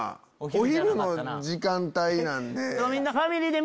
お昼の時間帯なんで。